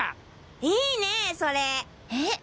いいねそれ。え？